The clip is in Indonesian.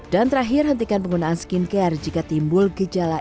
dan terakhir hentikan penggunaan skincare jika anda tidak memiliki kesehatan kulit anda